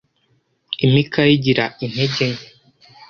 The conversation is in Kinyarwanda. imikaya igira intege nke